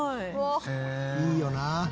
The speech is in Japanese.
いいよな。